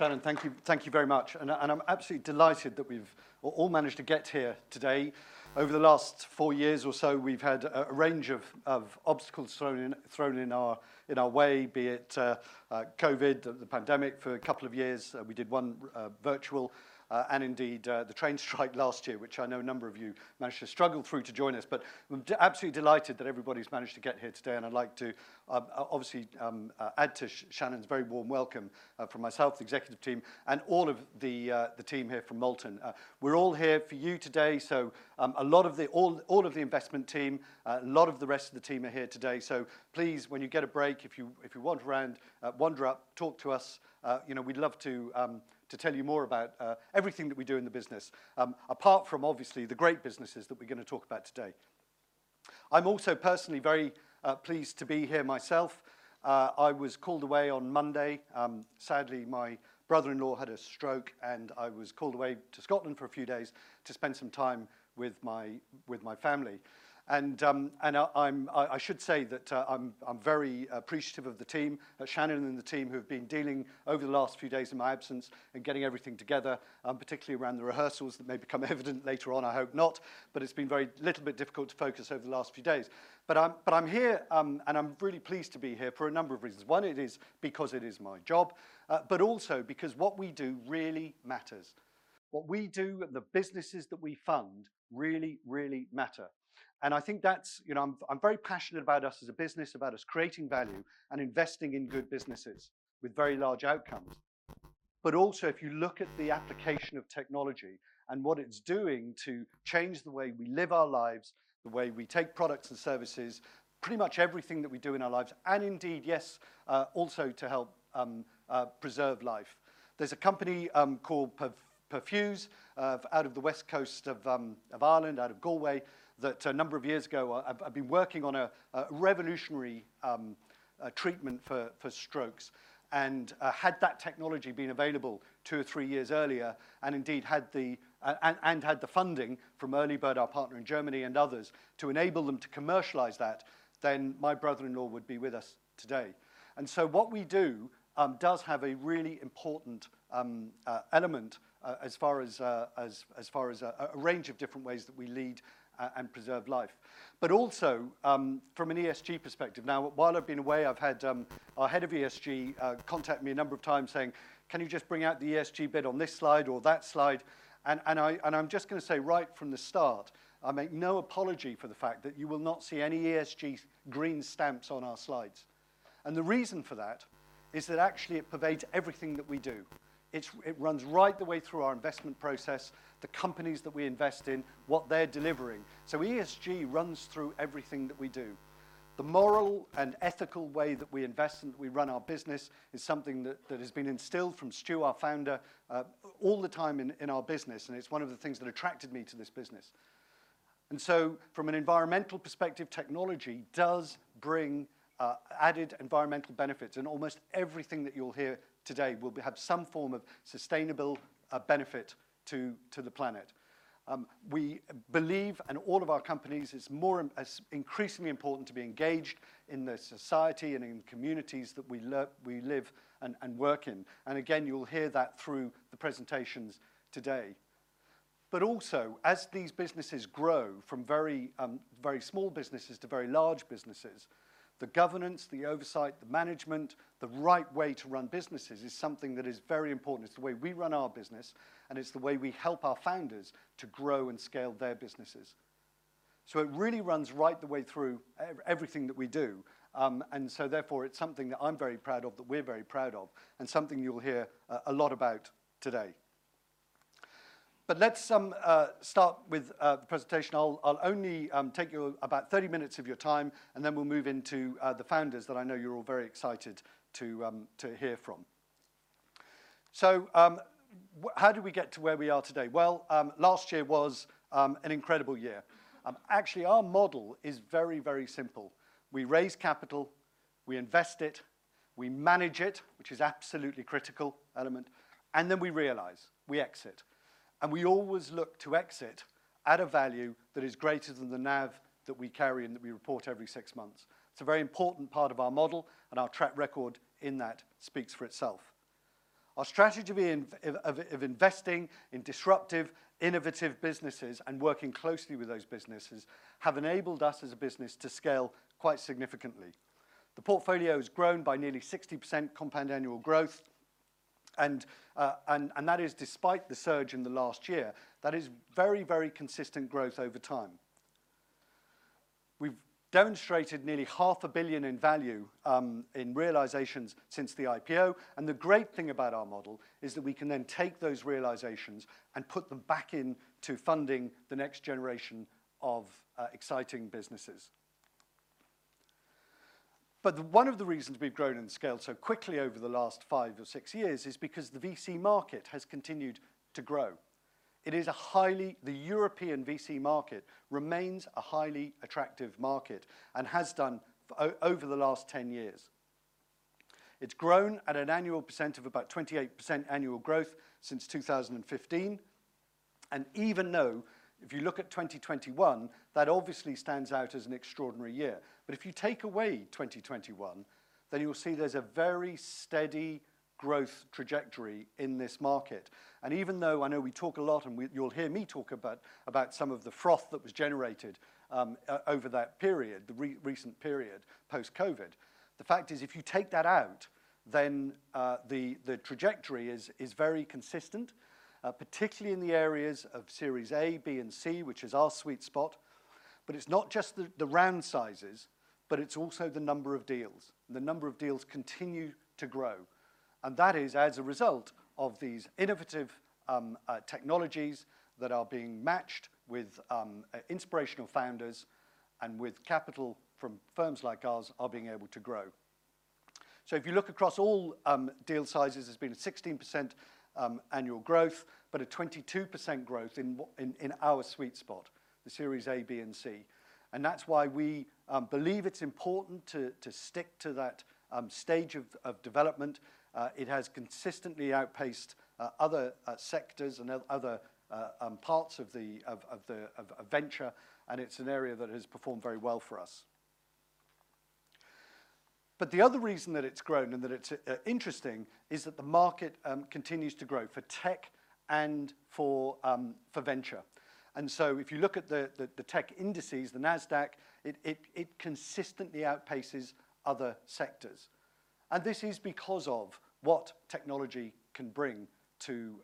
Shannon, thank you, thank you very much. And I'm absolutely delighted that we've all managed to get here today. Over the last four years or so, we've had a range of obstacles thrown in our way, be it COVID, the pandemic for a couple of years. We did one virtual, and indeed the train strike last year, which I know a number of you managed to struggle through to join us. But I'm absolutely delighted that everybody's managed to get here today, and I'd like to obviously add to Shannon's very warm welcome from myself, the executive team, and all of the team here from Molten. We're all here for you today, so a lot of the all, all of the investment team, a lot of the rest of the team are here today. So please, when you get a break, if you, if you wander around, wander up, talk to us. You know, we'd love to tell you more about everything that we do in the business, apart from obviously the great businesses that we're gonna talk about today. I'm also personally very pleased to be here myself. I was called away on Monday. Sadly, my brother-in-law had a stroke, and I was called away to Scotland for a few days to spend some time with my, with my family. I should say that I'm very appreciative of the team, Shannon and the team, who have been dealing over the last few days in my absence and getting everything together, particularly around the rehearsals that may become evident later on, I hope not. But it's been very little bit difficult to focus over the last few days. But I'm here, and I'm really pleased to be here for a number of reasons. One, it is because it is my job, but also because what we do really matters. What we do and the businesses that we fund really, really matter, and I think that's you know, I'm very passionate about us as a business, about us creating value and investing in good businesses with very large outcomes. But also, if you look at the application of technology and what it's doing to change the way we live our lives, the way we take products and services, pretty much everything that we do in our lives, and indeed, yes, also to help preserve life. There's a company called Perfuze out of the west coast of of Ireland, out of Galway, that a number of years ago have been working on a revolutionary treatment for strokes, and had that technology been available two or three years earlier, and indeed, had the and had the funding from Earlybird, our partner in Germany and others, to enable them to commercialize that, then my brother-in-law would be with us today. And so what we do does have a really important element as far as a range of different ways that we lead and preserve life. But also from an ESG perspective. Now, while I've been away, I've had our head of ESG contact me a number of times saying: "Can you just bring out the ESG bit on this slide or that slide?" And I'm just gonna say right from the start, I make no apology for the fact that you will not see any ESG green stamps on our slides, and the reason for that is that actually it pervades everything that we do. It runs right the way through our investment process, the companies that we invest in, what they're delivering. So ESG runs through everything that we do. The moral and ethical way that we invest and we run our business is something that has been instilled from Stu, our founder, all the time in our business, and it's one of the things that attracted me to this business. So from an environmental perspective, technology does bring added environmental benefits, and almost everything that you'll hear today will have some form of sustainable benefit to the planet. We believe, and all of our companies, it's more increasingly important to be engaged in the society and in communities that we live and work in. Again, you'll hear that through the presentations today. But also, as these businesses grow from very, very small businesses to very large businesses, the governance, the oversight, the management, the right way to run businesses is something that is very important. It's the way we run our business, and it's the way we help our founders to grow and scale their businesses. So it really runs right the way through everything that we do, and so therefore, it's something that I'm very proud of, that we're very proud of, and something you'll hear a lot about today. But let's start with the presentation. I'll only take you about 30 minutes of your time, and then we'll move into the founders that I know you're all very excited to hear from. So, how did we get to where we are today? Well, last year was an incredible year. Actually, our model is very, very simple. We raise capital, we invest it, we manage it, which is absolutely critical element, and then we realize, we exit. We always look to exit at a value that is greater than the NAV that we carry and that we report every six months. It's a very important part of our model, and our track record in that speaks for itself. Our strategy of investing in disruptive, innovative businesses and working closely with those businesses have enabled us as a business to scale quite significantly. The portfolio has grown by nearly 60% compound annual growth, and that is despite the surge in the last year. That is very, very consistent growth over time. We've demonstrated nearly £500 billion in value in realizations since the IPO, and the great thing about our model is that we can then take those realizations and put them back into funding the next generation of exciting businesses. But one of the reasons we've grown and scaled so quickly over the last five or six years is because the VC market has continued to grow. The European VC market remains a highly attractive market, and has done so over the last 10 years. It's grown at an annual percent of about 28% annual growth since 2015 and even though if you look at 2021, that obviously stands out as an extraordinary year, but if you take away 2021, then you'll see there's a very steady growth trajectory in this market. Even though I know we talk a lot, and you'll hear me talk about some of the froth that was generated over that period, the recent period, post-COVID, the fact is, if you take that out, then the trajectory is very consistent, particularly in the areas of Series A, B, and C, which is our sweet spot. But it's not just the round sizes, but it's also the number of deals. The number of deals continue to grow, and that is as a result of these innovative technologies that are being matched with inspirational founders and with capital from firms like ours are being able to grow. So if you look across all deal sizes, there's been a 16% annual growth, but a 22% growth in our sweet spot, the Series A, B, and C. That's why we believe it's important to stick to that stage of development. It has consistently outpaced other sectors and other parts of the venture, and it's an area that has performed very well for us. But the other reason that it's grown and that it's interesting is that the market continues to grow for tech and for venture. And so if you look at the tech indices, the Nasdaq, it consistently outpaces other sectors, and this is because of what technology can bring to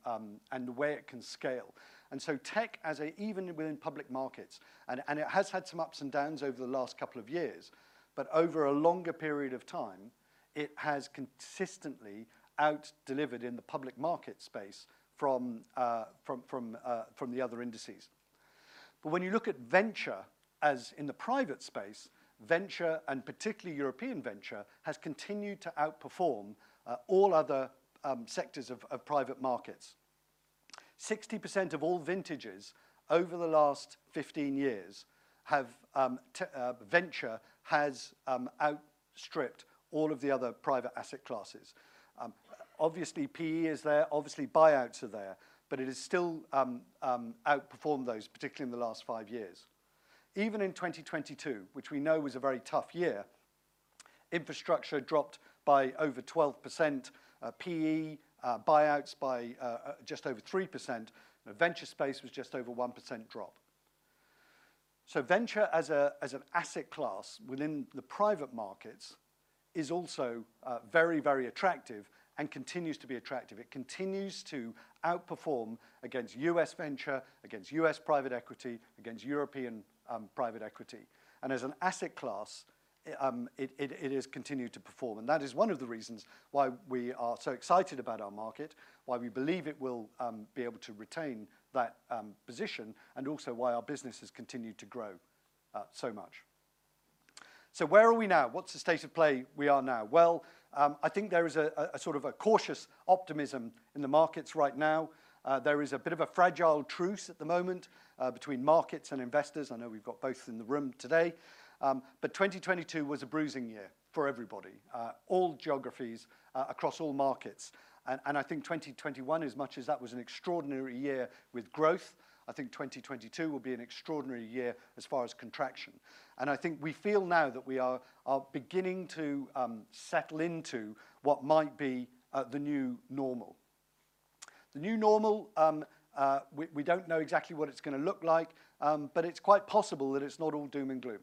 and the way it can scale. And so tech as a even within public markets, and it has had some ups and downs over the last couple of years, but over a longer period of time, it has consistently out-delivered in the public market space from the other indices. But when you look at venture, as in the private space, venture, and particularly European venture, has continued to outperform all other sectors of private markets. 60% of all vintages over the last 15 years, venture has outstripped all of the other private asset classes. Obviously, PE is there, obviously buyouts are there, but it has still outperformed those, particularly in the last five years. Even in 2022, which we know was a very tough year, infrastructure dropped by over 12%, PE buyouts by just over 3%. The venture space was just over 1% drop. So Venture as a, as an asset class within the private markets is also, very, very attractive and continues to be attractive. It continues to outperform against U.S. venture, against U.S. private equity, against European private equity, and as an asset class, it has continued to perform, and that is one of the reasons why we are so excited about our market, why we believe it will be able to retain that position, and also why our business has continued to grow so much. So where are we now? What's the state of play we are now? Well, I think there is a sort of cautious optimism in the markets right now. There is a bit of a fragile truce at the moment between markets and investors. I know we've got both in the room today. But 2022 was a bruising year for everybody, all geographies, across all markets, and I think 2021, as much as that was an extraordinary year with growth, I think 2022 will be an extraordinary year as far as contraction. And I think we feel now that we are beginning to settle into what might be the new normal. The new normal, we don't know exactly what it's gonna look like, but it's quite possible that it's not all doom and gloom.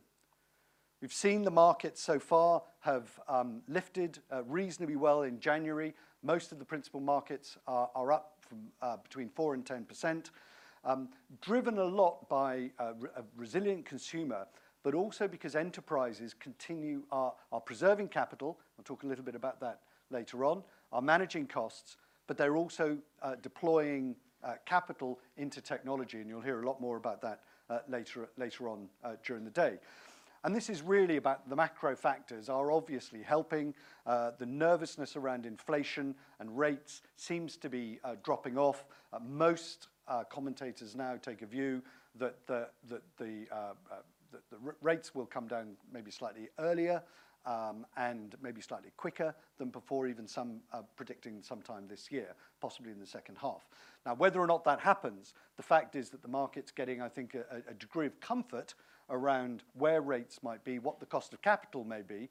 We've seen the markets so far have lifted reasonably well in January. Most of the principal markets are up from between 4% and 10%, driven a lot by a resilient consumer, but also because enterprises continue... are preserving capital. I'll talk a little bit about that later on, are managing costs, but they're also deploying capital into technology, and you'll hear a lot more about that later on during the day. And this is really about the macro factors are obviously helping. The nervousness around inflation and rates seems to be dropping off. Most commentators now take a view that the rates will come down maybe slightly earlier, and maybe slightly quicker than before, even some predicting sometime this year, possibly in the second half. Now, whether or not that happens, the fact is that the market's getting, I think, a degree of comfort around where rates might be, what the cost of capital may be,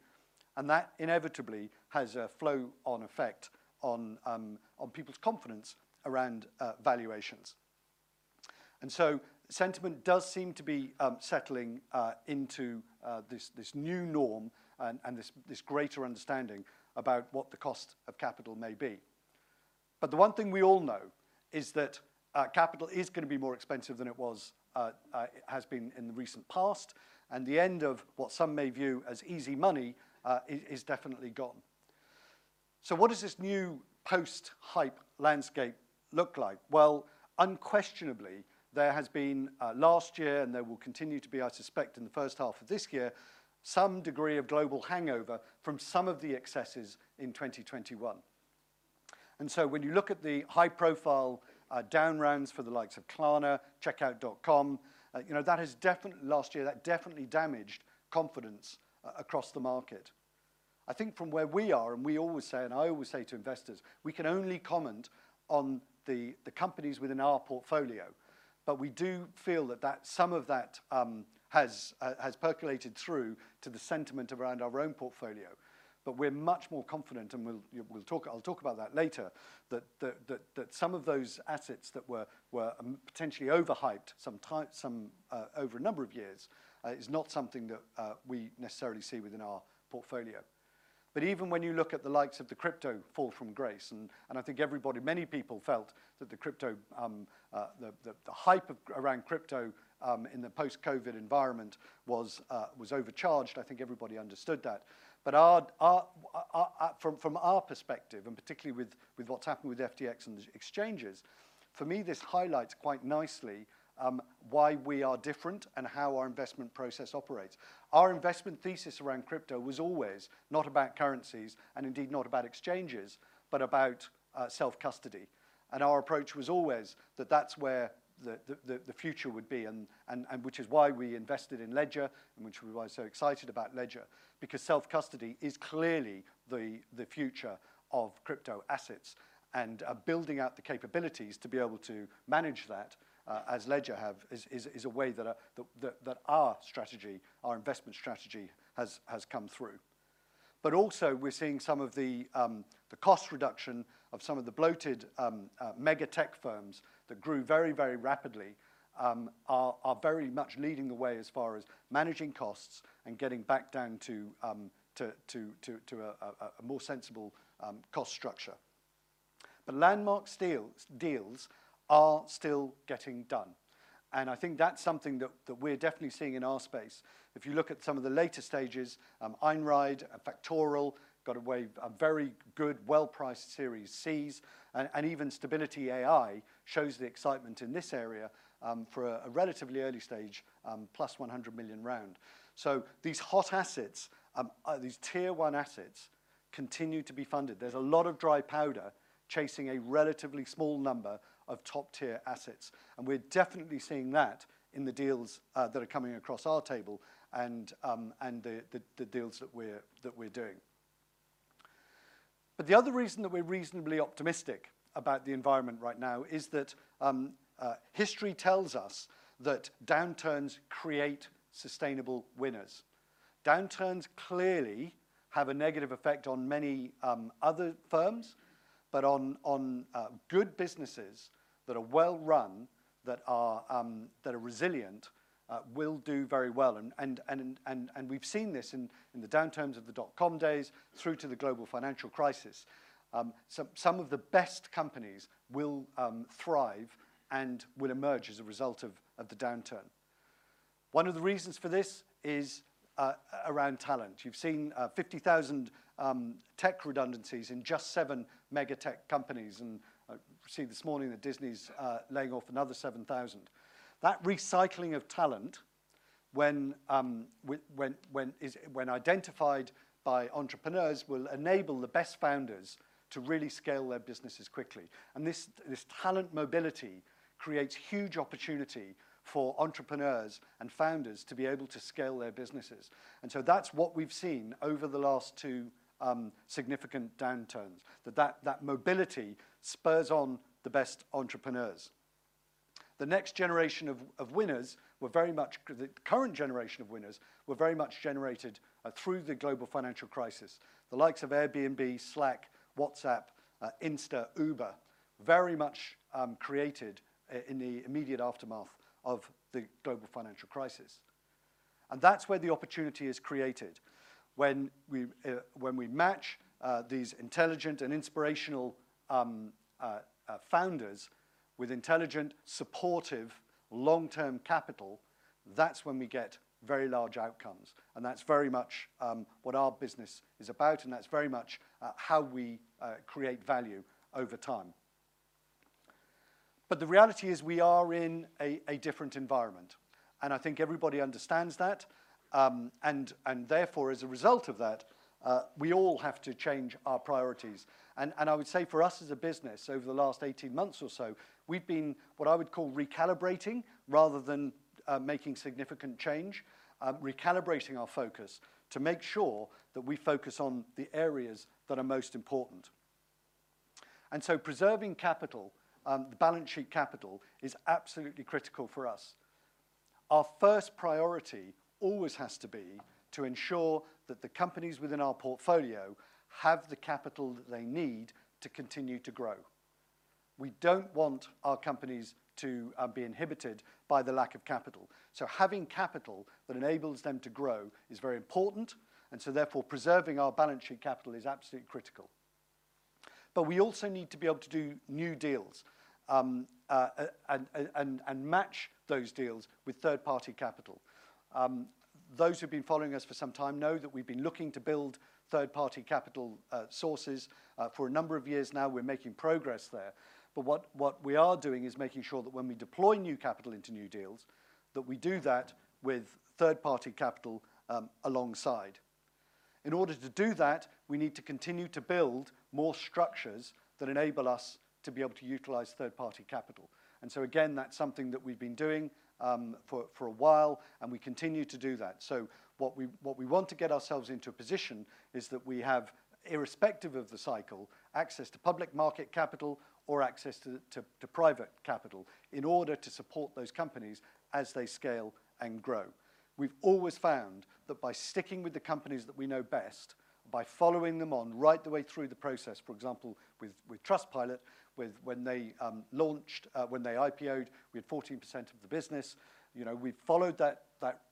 and that inevitably has a flow-on effect on people's confidence around valuations. And so sentiment does seem to be settling into this new norm and this greater understanding about what the cost of capital may be. But the one thing we all know is that capital is gonna be more expensive than it was, it has been in the recent past, and the end of what some may view as easy money is definitely gone. So what does this new post-hype landscape look like? Well, unquestionably, there has been last year, and there will continue to be, I suspect, in the first half of this year, some degree of global hangover from some of the excesses in 2021. And so when you look at the high-profile down rounds for the likes of Klarna, Checkout.com, you know, that has definitely last year, that definitely damaged confidence across the market. I think from where we are, and we always say, and I always say to investors, we can only comment on the companies within our portfolio. But we do feel that some of that has percolated through to the sentiment around our own portfolio. But we're much more confident, and we'll talk, I'll talk about that later, that some of those assets that were potentially overhyped some time, some over a number of years is not something that we necessarily see within our portfolio. But even when you look at the likes of the crypto fall from grace, and I think everybody, many people felt that the crypto hype around crypto in the post-COVID environment was overcharged. I think everybody understood that. But from our perspective, and particularly with what's happened with FTX and the exchanges, for me, this highlights quite nicely why we are different and how our investment process operates. Our investment thesis around crypto was always not about currencies, and indeed not about exchanges, but about self-custody, and our approach was always that that's where the future would be, and which is why we invested in Ledger, and which we were so excited about Ledger, because self-custody is clearly the future of crypto assets, and building out the capabilities to be able to manage that, as Ledger have, is a way that our strategy, our investment strategy has come through. But also, we're seeing some of the cost reduction of some of the bloated, mega tech firms that grew very, very rapidly, are very much leading the way as far as managing costs and getting back down to a more sensible cost structure. But landmark deals are still getting done, and I think that's something that we're definitely seeing in our space. If you look at some of the later stages, Einride and Factorial got away a very good, well-priced Series Cs, and even Stability AI shows the excitement in this area, for a relatively early stage, +$100 million round. So these hot assets, these Tier 1 assets, continue to be funded. There's a lot of dry powder chasing a relatively small number of top-tier assets, and we're definitely seeing that in the deals that are coming across our table and the deals that we're doing. But the other reason that we're reasonably optimistic about the environment right now is that history tells us that downturns create sustainable winners. Downturns clearly have a negative effect on many other firms, but on good businesses that are well-run, that are resilient, will do very well. And we've seen this in the downturns of the dot-com days through to the global financial crisis. Some of the best companies will thrive and will emerge as a result of the downturn. One of the reasons for this is around talent. You've seen 50,000 tech redundancies in just seven mega tech companies, and I see this morning that Disney's laying off another 7,000. That recycling of talent, when identified by entrepreneurs, will enable the best founders to really scale their businesses quickly. This talent mobility creates huge opportunity for entrepreneurs and founders to be able to scale their businesses. So that's what we've seen over the last two significant downturns, that mobility spurs on the best entrepreneurs. The next generation of winners were very much, the current generation of winners were very much generated through the global financial crisis. The likes of Airbnb, Slack, WhatsApp, Insta, Uber, very much created in the immediate aftermath of the global financial crisis, and that's where the opportunity is created. When we match these intelligent and inspirational founders with intelligent, supportive, long-term capital, that's when we get very large outcomes, and that's very much what our business is about, and that's very much how we create value over time. But the reality is, we are in a different environment, and I think everybody understands that, and therefore, as a result of that, we all have to change our priorities. I would say for us as a business, over the last 18 months or so, we've been, what I would call, recalibrating, rather than making significant change, recalibrating our focus to make sure that we focus on the areas that are most important. So preserving capital, the balance sheet capital, is absolutely critical for us. Our first priority always has to be to ensure that the companies within our portfolio have the capital that they need to continue to grow. We don't want our companies to be inhibited by the lack of capital. So having capital that enables them to grow is very important, and so therefore, preserving our balance sheet capital is absolutely critical. But we also need to be able to do new deals and match those deals with third-party capital. Those who've been following us for some time know that we've been looking to build third-party capital sources for a number of years now. We're making progress there. But what we are doing is making sure that when we deploy new capital into new deals, that we do that with third-party capital alongside. In order to do that, we need to continue to build more structures that enable us to be able to utilize third-party capital. And so again, that's something that we've been doing for a while, and we continue to do that. So what we, what we want to get ourselves into a position is that we have, irrespective of the cycle, access to public market capital or access to private capital in order to support those companies as they scale and grow. We've always found that by sticking with the companies that we know best, by following them on right the way through the process, for example, with Trustpilot, when they launched, when they IPO'd, we had 14% of the business. You know, we've followed that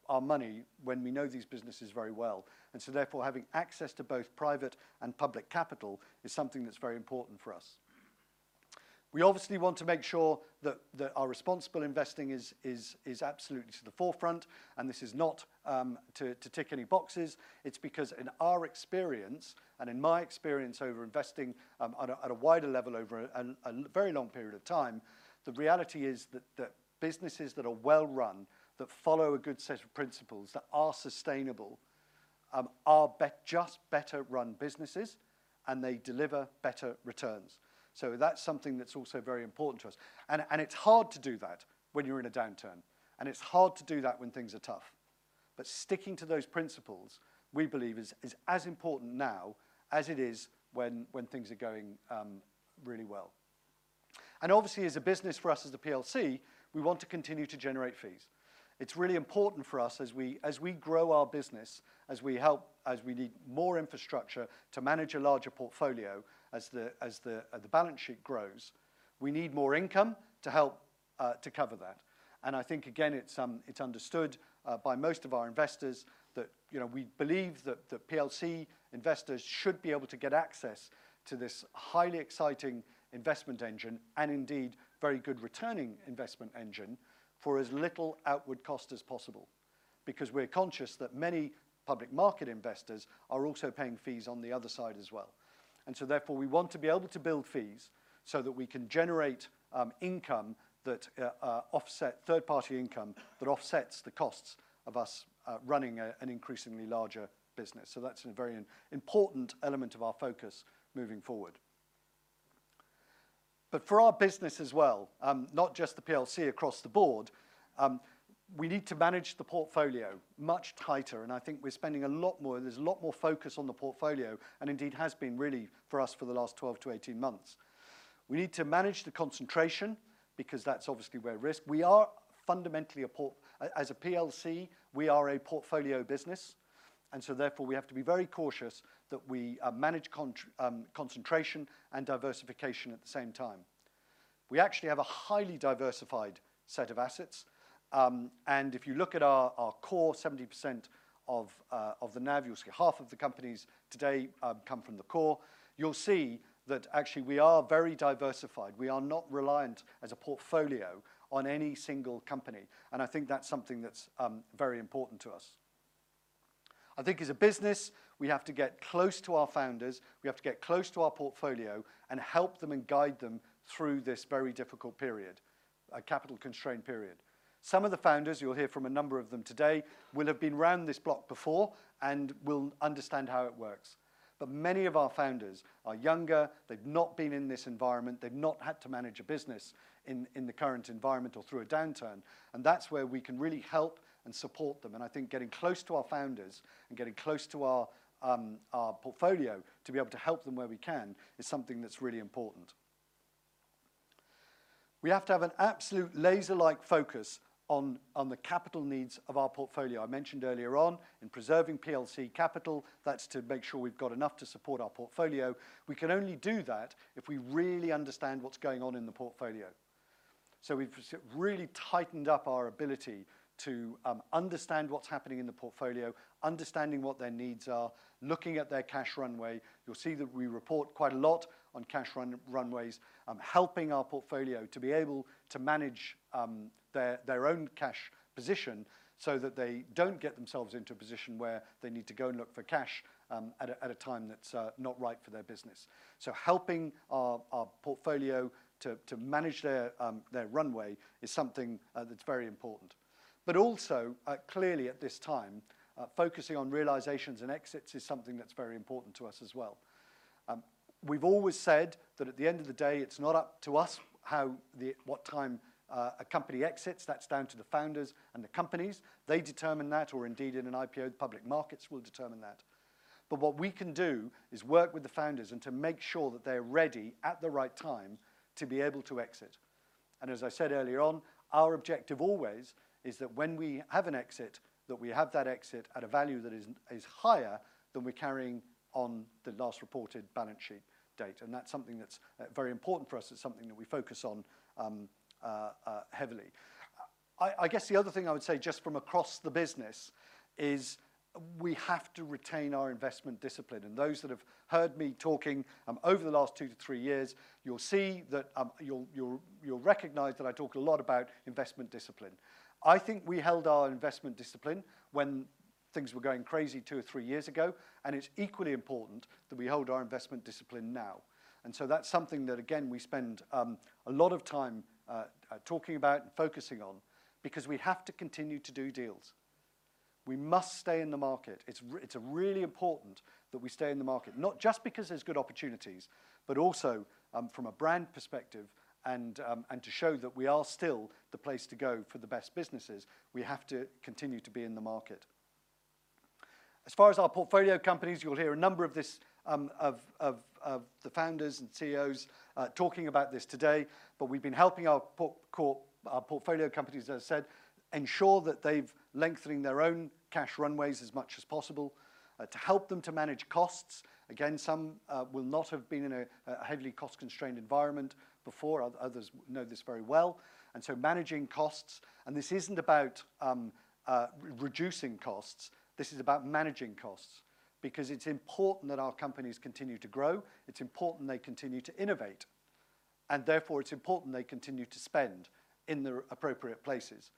our money when we know these businesses very well. And so therefore, having access to both private and public capital is something that's very important for us. We obviously want to make sure that our responsible investing is absolutely to the forefront, and this is not to tick any boxes. It's because in our experience, and in my experience over investing at a wider level over a very long period of time, the reality is that businesses that are well-run, that follow a good set of principles, that are sustainable are just better run businesses, and they deliver better returns. So that's something that's also very important to us. And it's hard to do that when you're in a downturn, and it's hard to do that when things are tough. But sticking to those principles, we believe, is as important now as it is when things are going really well. And obviously, as a business, for us as a PLC, we want to continue to generate fees. It's really important for us as we grow our business, as we need more infrastructure to manage a larger portfolio, as the balance sheet grows, we need more income to help to cover that. I think, again, it's understood by most of our investors that, you know, we believe that the PLC investors should be able to get access to this highly exciting investment engine, and indeed, very good returning investment engine, for as little outward cost as possible, because we're conscious that many public market investors are also paying fees on the other side as well. So therefore, we want to be able to build fees so that we can generate third-party income that offsets the costs of us running an increasingly larger business. That's a very important element of our focus moving forward. But for our business as well, not just the PLC, across the board, we need to manage the portfolio much tighter, and I think we're spending a lot more. There's a lot more focus on the portfolio, and indeed has been really for us for the last 12-18 months. We need to manage the concentration because that's obviously where risk... We are fundamentally a portfolio business as a PLC, and so therefore, we have to be very cautious that we manage concentration and diversification at the same time. We actually have a highly diversified set of assets, and if you look at our core, 70% of the NAV, you'll see half of the companies today come from the core. You'll see that actually we are very diversified. We are not reliant as a portfolio on any single company, and I think that's something that's very important to us. I think as a business, we have to get close to our founders, we have to get close to our portfolio, and help them and guide them through this very difficult period, a capital-constrained period. Some of the founders, you'll hear from a number of them today, will have been round this block before and will understand how it works. But many of our founders are younger, they've not been in this environment, they've not had to manage a business in the current environment or through a downturn, and that's where we can really help and support them. I think getting close to our founders and getting close to our, our portfolio to be able to help them where we can, is something that's really important. We have to have an absolute laser-like focus on the capital needs of our portfolio. I mentioned earlier on, in preserving PLC capital, that's to make sure we've got enough to support our portfolio. We can only do that if we really understand what's going on in the portfolio. So we've really tightened up our ability to understand what's happening in the portfolio, understanding what their needs are, looking at their cash runway. You'll see that we report quite a lot on cash runways, helping our portfolio to be able to manage their own cash position so that they don't get themselves into a position where they need to go and look for cash at a time that's not right for their business. So helping our portfolio to manage their runway is something that's very important. But also, clearly at this time, focusing on realizations and exits is something that's very important to us as well. We've always said that at the end of the day, it's not up to us how the what time a company exits. That's down to the founders and the companies. They determine that, or indeed, in an IPO, the public markets will determine that. But what we can do is work with the founders and to make sure that they're ready at the right time to be able to exit. And as I said earlier on, our objective always is that when we have an exit, that we have that exit at a value that is, is higher than we're carrying on the last reported balance sheet date, and that's something that's very important for us. It's something that we focus on heavily. I guess the other thing I would say just from across the business is we have to retain our investment discipline. Those that have heard me talking over the last two-to-three years, you'll see that, you'll recognize that I talk a lot about investment discipline. I think we held our investment discipline when things were going crazy two or three years ago, and it's equally important that we hold our investment discipline now. So that's something that, again, we spend a lot of time talking about and focusing on because we have to continue to do deals. We must stay in the market. It's really important that we stay in the market, not just because there's good opportunities, but also from a brand perspective and to show that we are still the place to go for the best businesses, we have to continue to be in the market. As far as our portfolio companies, you'll hear a number of this of the founders and CEO's talking about this today, but we've been helping our portfolio companies, as I said, ensure that they've lengthening their own cash runways as much as possible to help them to manage costs. Again, some will not have been in a heavily cost-constrained environment before, others know this very well. Managing costs, and this isn't about reducing costs, this is about managing costs, because it's important that our companies continue to grow, it's important they continue to innovate, and therefore, it's important they continue to spend in the appropriate places.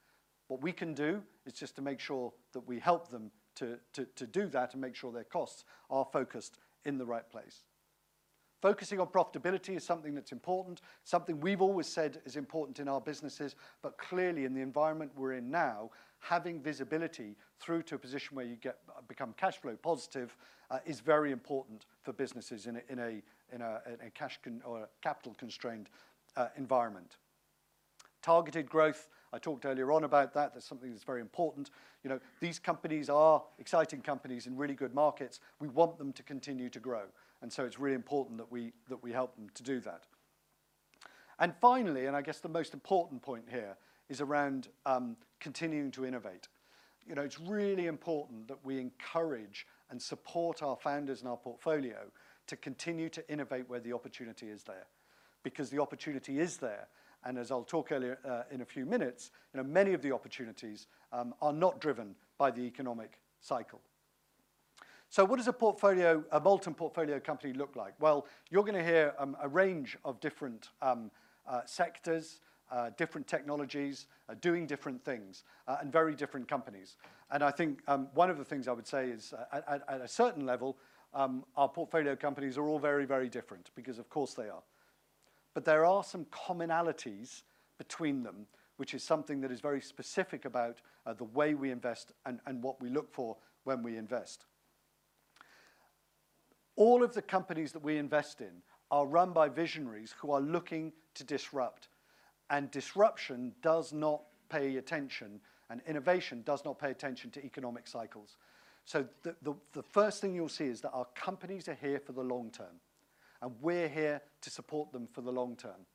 What we can do is just to make sure that we help them to do that and make sure their costs are focused in the right place. Focusing on profitability is something that's important, something we've always said is important in our businesses, but clearly, in the environment we're in now, having visibility through to a position where you get become cash flow positive is very important for businesses in a capital-constrained environment. Targeted growth, I talked earlier on about that, that's something that's very important. You know, these companies are exciting companies in really good markets. We want them to continue to grow, and so it's really important that we, that we help them to do that. And finally, and I guess the most important point here, is around continuing to innovate. You know, it's really important that we encourage and support our founders and our portfolio to continue to innovate where the opportunity is there, because the opportunity is there, and as I'll talk earlier in a few minutes, you know, many of the opportunities are not driven by the economic cycle. So what does a portfolio, a Molten portfolio company look like? Well, you're gonna hear a range of different sectors, different technologies, doing different things, and very different companies. I think, one of the things I would say is at a certain level, our portfolio companies are all very, very different, because of course they are. There are some commonalities between them, which is something that is very specific about the way we invest and what we look for when we invest. All of the companies that we invest in are run by visionaries who are looking to disrupt, and disruption does not pay attention, and innovation does not pay attention to economic cycles. The first thing you'll see is that our companies are here for the long term, and we're here to support them for the long term.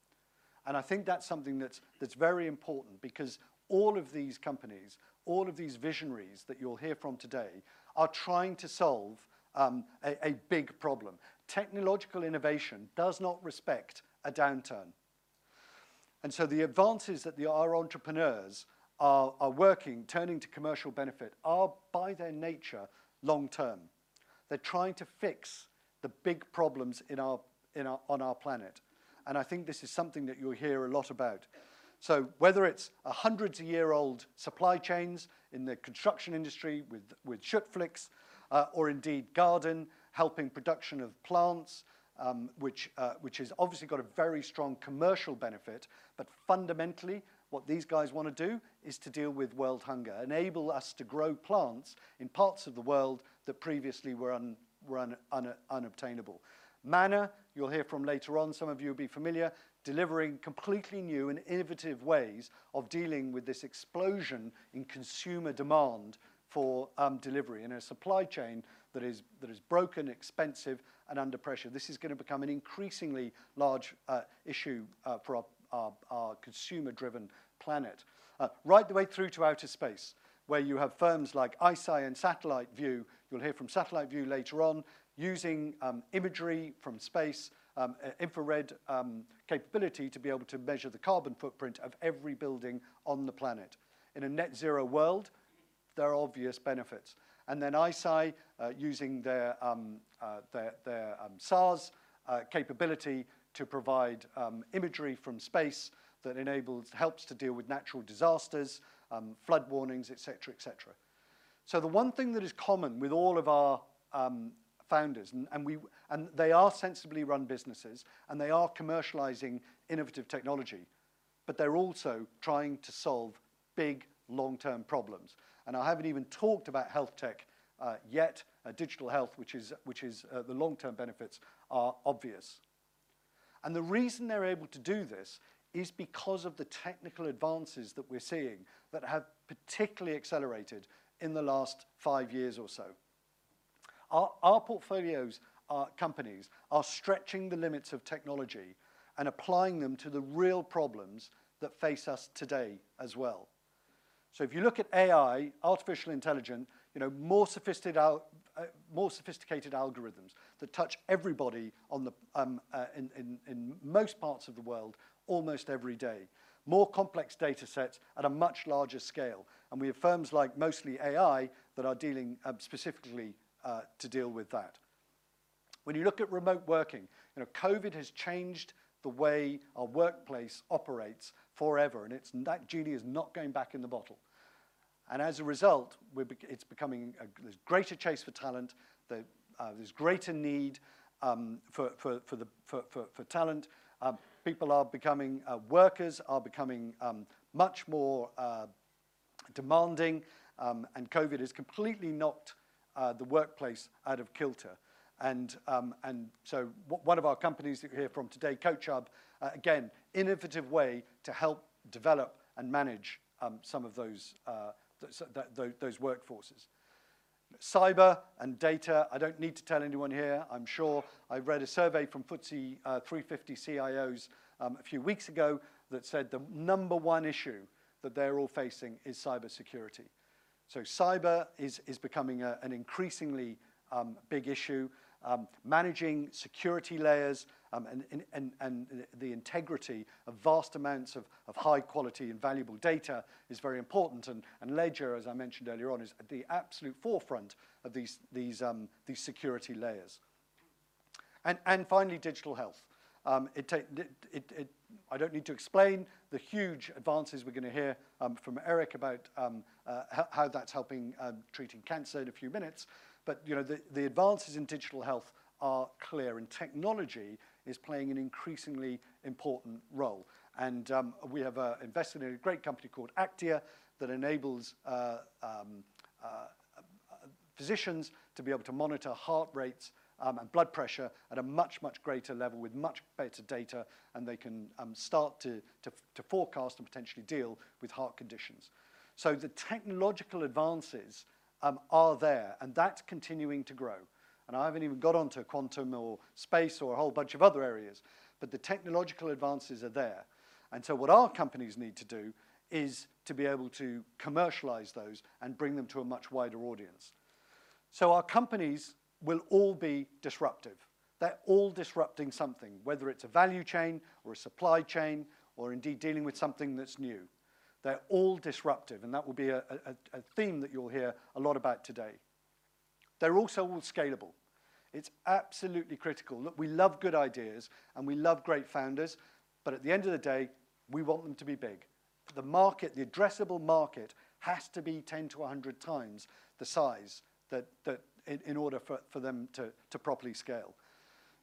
I think that's something that's very important because all of these companies, all of these visionaries that you'll hear from today, are trying to solve a big problem. Technological innovation does not respect a downturn, and so the advances that our entrepreneurs are working, turning to commercial benefit, by their nature, long-term. They're trying to fix the big problems on our planet, and I think this is something that you'll hear a lot about. So whether it's hundreds of years old supply chains in the construction industry with Schüttflix, or indeed Gardin, helping production of plants, which has obviously got a very strong commercial benefit, but fundamentally, what these guys wanna do is to deal with world hunger, enable us to grow plants in parts of the world that previously were unobtainable. Manna, you'll hear from later on, some of you will be familiar, delivering completely new and innovative ways of dealing with this explosion in consumer demand for delivery, in a supply chain that is broken, expensive, and under pressure. This is gonna become an increasingly large issue for our consumer-driven planet. Right the way through to outer space, where you have firms like ICEYE and Satellite Vu, you'll hear from Satellite Vu later on, using imagery from space, infrared capability to be able to measure the carbon footprint of every building on the planet. In a net zero world, there are obvious benefits. And then ICEYE, using their SAR capability to provide imagery from space that helps to deal with natural disasters, flood warnings, et cetera, et cetera. So the one thing that is common with all of our founders, and they are sensibly run businesses, and they are commercializing innovative technology, but they're also trying to solve big, long-term problems. And I haven't even talked about health tech yet, digital health, which is, the long-term benefits are obvious. And the reason they're able to do this is because of the technical advances that we're seeing that have particularly accelerated in the last five years or so. Our portfolios, our companies, are stretching the limits of technology and applying them to the real problems that face us today as well. So if you look at AI, artificial intelligence, you know, more sophisticated algorithms that touch everybody in most parts of the world, almost every day. More complex data sets at a much larger scale, and we have firms like Mostly AI that are dealing, specifically, to deal with that. When you look at remote working, you know, COVID has changed the way a workplace operates forever, and it's that genie is not going back in the bottle. And as a result, it's becoming a... there's greater chase for talent, there, there's greater need for talent. Workers are becoming much more demanding, and COVID has completely knocked the workplace out of kilter. And, and so one of our companies that you'll hear from today, CoachHub, again, innovative way to help develop and manage some of those those workforces. Cyber and data, I don't need to tell anyone here, I'm sure. I read a survey from FTSE, 350 CIOs, a few weeks ago that said the number one issue that they're all facing is cyber security. So cyber is becoming an increasingly big issue. Managing security layers and the integrity of vast amounts of high quality and valuable data is very important, and Ledger, as I mentioned earlier on, is at the absolute forefront of these security layers. And finally, digital health. I don't need to explain the huge advances we're gonna hear from Eric about how that's helping treating cancer in a few minutes, but, you know, the advances in digital health are clear, and technology is playing an increasingly important role. We have invested in a great company called Aktiia that enables patients to be able to monitor heart rates and blood pressure at a much, much greater level with much better data, and they can start to forecast and potentially deal with heart conditions. So the technological advances are there, and that's continuing to grow, and I haven't even got onto quantum or space or a whole bunch of other areas, but the technological advances are there. So what our companies need to do is to be able to commercialize those and bring them to a much wider audience. So our companies will all be disruptive. They're all disrupting something, whether it's a value chain or a supply chain or indeed dealing with something that's new. They're all disruptive, and that will be a theme that you'll hear a lot about today. They're also all scalable. It's absolutely critical. Look, we love good ideas and we love great founders, but at the end of the day, we want them to be big. The market, the addressable market, has to be 10 to100 times the size that in order for them to properly scale.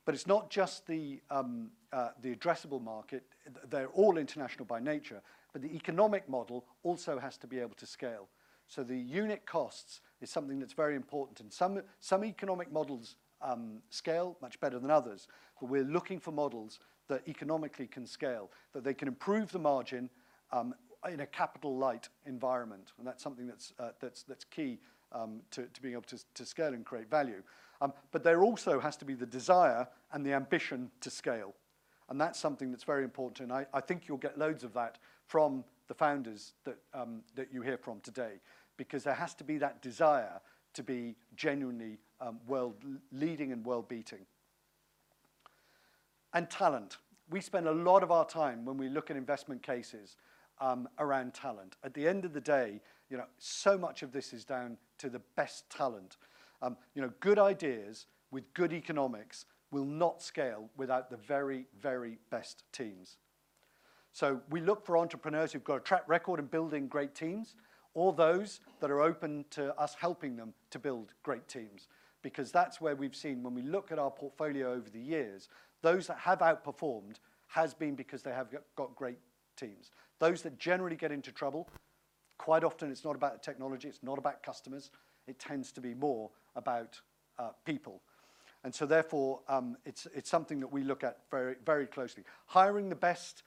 But it's not just the addressable market. They're all international by nature, but the economic model also has to be able to scale. So the unit costs is something that's very important, and some economic models scale much better than others. But we're looking for models that economically can scale, that they can improve the margin, in a capital-light environment, and that's something that's key to being able to scale and create value. But there also has to be the desire and the ambition to scale, and that's something that's very important, and I think you'll get loads of that from the founders that you hear from today, because there has to be that desire to be genuinely world-leading and world-beating. And talent, we spend a lot of our time when we look at investment cases around talent. At the end of the day, you know, so much of this is down to the best talent. You know, good ideas with good economics will not scale without the very, very best teams. So we look for entrepreneurs who've got a track record of building great teams, or those that are open to us helping them to build great teams, because that's where we've seen when we look at our portfolio over the years, those that have outperformed has been because they have got great teams. Those that generally get into trouble, quite often, it's not about the technology, it's not about customers, it tends to be more about, people. And so therefore, it's, it's something that we look at very, very closely. Hiring the best,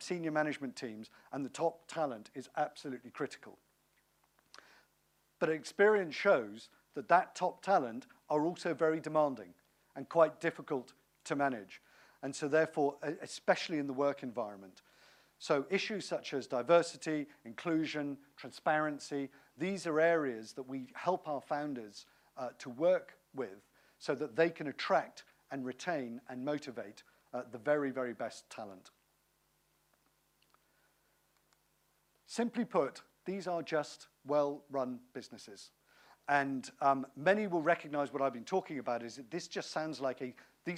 senior management teams and the top talent is absolutely critical. But experience shows that that top talent are also very demanding and quite difficult to manage, and so therefore, especially in the work environment. Issues such as diversity, inclusion, transparency, these are areas that we help our founders to work with, so that they can attract and retain and motivate the very, very best talent. Simply put, these are just well-run businesses, and many will recognize what I've been talking about. These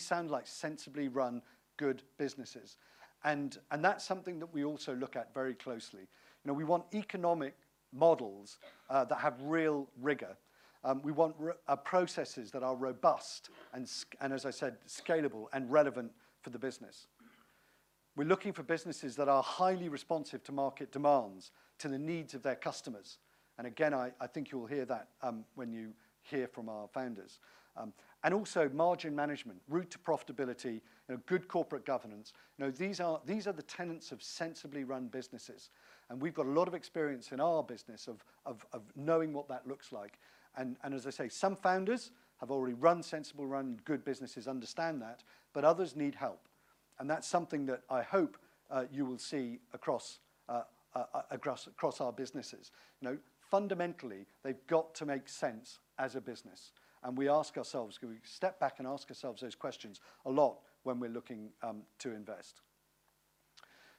sound like sensibly run, good businesses. That's something that we also look at very closely. You know, we want economic models that have real rigor. We want processes that are robust and as I said, scalable and relevant for the business. We're looking for businesses that are highly responsive to market demands, to the needs of their customers, and again, I think you'll hear that when you hear from our founders. And also margin management, route to profitability, you know, good corporate governance. You know, these are, these are the tenets of sensibly run businesses, and we've got a lot of experience in our business of knowing what that looks like. And as I say, some founders have already run sensible, run good businesses, understand that, but others need help, and that's something that I hope you will see across our businesses. You know, fundamentally, they've got to make sense as a business, and we ask ourselves, we step back and ask ourselves those questions a lot when we're looking to invest.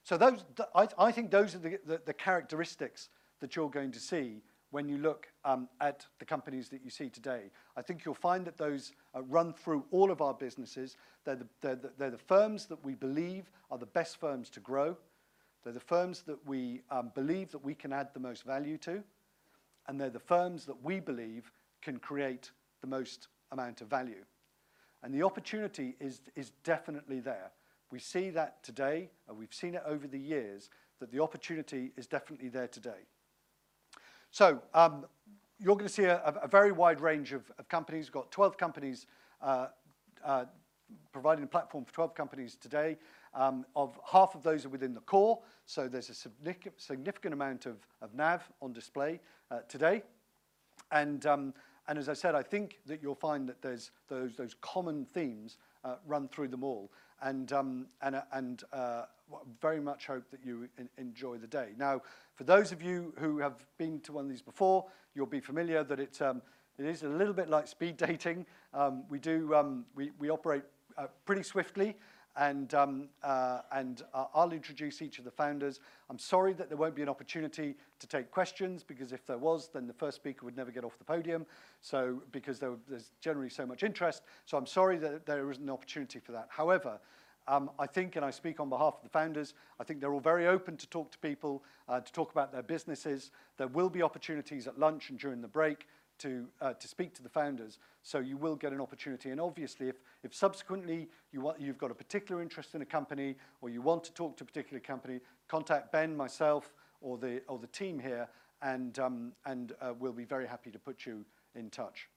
So those, I think those are the characteristics that you're going to see when you look at the companies that you see today. I think you'll find that those run through all of our businesses. They're the firms that we believe are the best firms to grow, they're the firms that we believe that we can add the most value to, and they're the firms that we believe can create the most amount of value, and the opportunity is definitely there. We see that today, and we've seen it over the years, that the opportunity is definitely there today. So, you're gonna see a very wide range of companies. We've got 12 companies providing a platform for 12 companies today, half of those are within the core, so there's a significant amount of NAV on display today. And, and as I said, I think that you'll find that there's those common themes run through them all. And, and, we very much hope that you enjoy the day. Now, for those of you who have been to one of these before, you'll be familiar that it is a little bit like speed dating. We do, we operate pretty swiftly, and I'll introduce each of the founders. I'm sorry that there won't be an opportunity to take questions, because if there was, then the first speaker would never get off the podium, so because there's generally so much interest. So I'm sorry that there isn't an opportunity for that. However, I think, and I speak on behalf of the founders, I think they're all very open to talk to people, to talk about their businesses. There will be opportunities at lunch and during the break to, to speak to the founders, so you will get an opportunity. And obviously, if, if subsequently, you've got a particular interest in a company, or you want to talk to a particular company, contact Ben, myself, or the, or the team here, and, and, we'll be very happy to put you in touch.